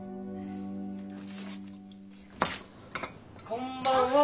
こんばんは。